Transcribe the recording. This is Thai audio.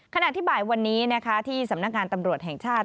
ขณะที่บ่ายวันนี้นะคะที่สำนักงานตำรวจแห่งชาติ